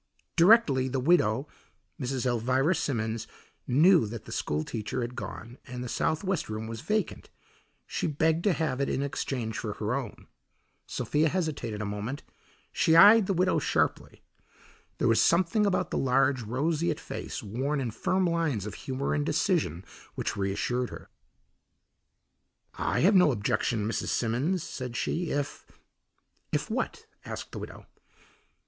Directly the widow, Mrs. Elvira Simmons, knew that the school teacher had gone and the southwest room was vacant, she begged to have it in exchange for her own. Sophia hesitated a moment; she eyed the widow sharply. There was something about the large, roseate face worn in firm lines of humour and decision which reassured her. "I have no objection, Mrs. Simmons," said she, "if " "If what?" asked the widow.